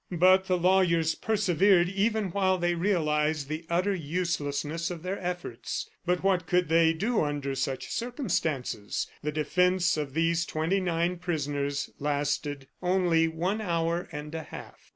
But the lawyers persevered even while they realized the utter uselessness of their efforts. But what could they do under such circumstances? The defence of these twenty nine prisoners lasted only one hour and a half.